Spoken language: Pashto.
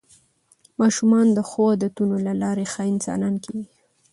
ماشومان د ښو عادتونو له لارې ښه انسانان کېږي